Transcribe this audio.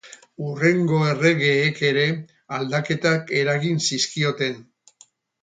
Hurrengo erregeek ere aldaketak eragin zizkioten.